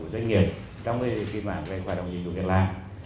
doanh nghiệp trong khi mà anh hoạt động dịch vụ việc làm